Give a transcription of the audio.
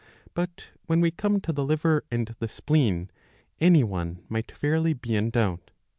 But when we come to the liver and the spleen, any one might fairly be in doubt.